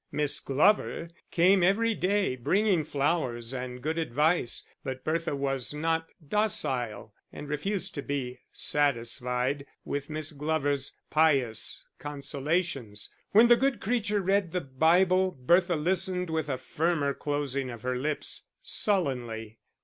Miss Glover came every day, bringing flowers and good advice; but Bertha was not docile, and refused to be satisfied with Miss Glover's pious consolations. When the good creature read the Bible, Bertha listened with a firmer closing of her lips, sullenly.